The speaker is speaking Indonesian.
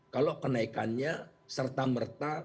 kalau kenaikannya serta merta